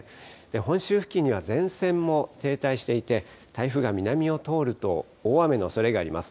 本州付近には前線も停滞していて、台風が南を通ると、大雨のおそれがあります。